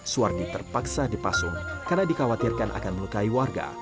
suwardi terpaksa dipasung karena dikhawatirkan akan melukai warga